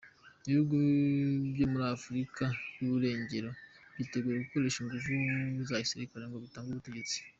Ibihugu vyo muri Afrika y'uburengero vyiteguye gukoresha inguvu za gisirikare ngo bitange ubutegetsi.